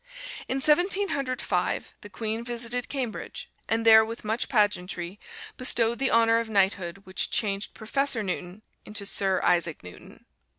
In Seventeen Hundred Five the Queen visited Cambridge, and there with much pageantry bestowed the honor of Knighthood which changed Professor Newton into Sir Isaac Newton.